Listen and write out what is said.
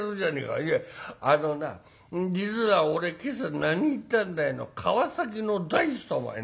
いやあのな実は俺今朝何行ったんだい川崎の大師様へな。